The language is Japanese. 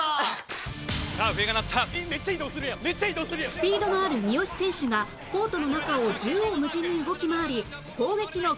スピードのある三好選手がコートの中を縦横無尽に動き回り攻撃の起点に